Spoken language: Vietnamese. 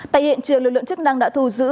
tại hiện trường lực lượng chức năng đã thu giữ